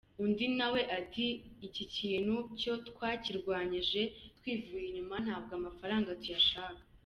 Undi nawe ati :”Iki kintu cyo twakirwanyije twivuye inyuma ntabwo amafaranga tuyashaka.